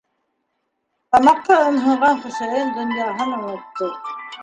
Тамаҡҡа ымһынған Хөсәйен донъяһын онотто.